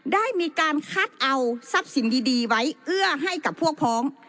ได้มีการคัดเอาทรัพย์สินดีไว้เอื้อให้กับพวกพ้อง